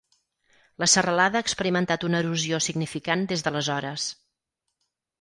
La serralada ha experimentat una erosió significant des d'aleshores.